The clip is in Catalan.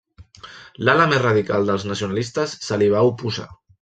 L'ala més radicals dels nacionalistes se li va oposar.